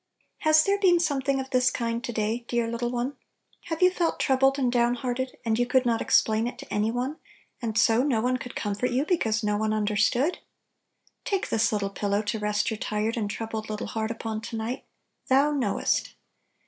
Has there been something of this kind to day, dear lit tle one? Have you felt troubled and downhearted, and you could not explain it to any one, and so no one could com fort you because no one understood? Take this little pillow to rest your tired and troubled little heart upon to night, "Thou knowest!"